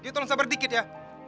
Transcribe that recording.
tolong sabar dikit ya